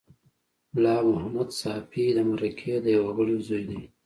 ملا محمد ساپي د مرکې د یوه غړي زوی دی.